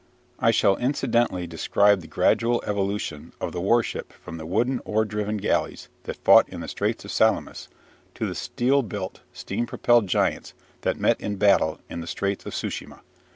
I shall incidentally describe the gradual evolution of the warship from the wooden, oar driven galleys that fought in the Straits of Salamis to the steel built, steam propelled giants that met in battle in the Straits of Tsu shima.